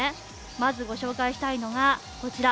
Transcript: まずご紹介したいのがこちら。